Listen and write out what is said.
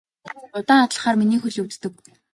Удаан алхахлаар миний хөл өвддөг.